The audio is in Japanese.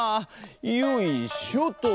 よいしょと。